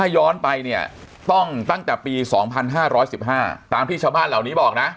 ย้อนไปเนี่ยต้องตั้งแต่ปีสองพันห้าร้อยสิบห้าตามที่ชาวบ้านเหล่านี้บอกนะ